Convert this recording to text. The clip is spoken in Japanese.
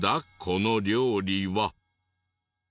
この料理は。